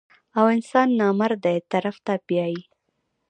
او انسان نامردۍ طرف ته بيائي -